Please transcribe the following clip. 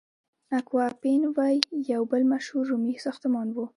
اکوا اپین وی یو بل مشهور رومي ساختمان و.